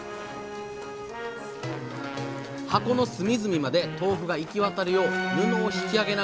箱の隅々まで豆腐が行き渡るよう布を引き上げながら水をさらに切っていくと